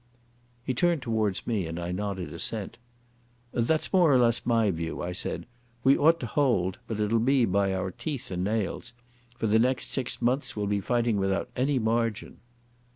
He turned towards me, and I nodded assent. "That's more or less my view," I said. "We ought to hold, but it'll be by our teeth and nails. For the next six months we'll be fighting without any margin."